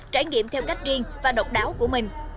trải nghiệm theo cách riêng và độc đáo của mình